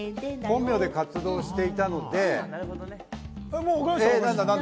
本名で活動していたので、なんだ？